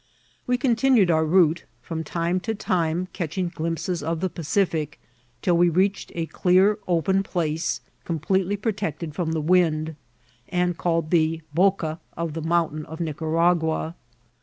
We eontinned our voate, from tioie lo tuM cetrfiif glimpeeo of the Pteific, till we readMd a clear, open place, completel j protected firom the wiad, and called Ae Boca of the Moimtain of Nicaiagaa.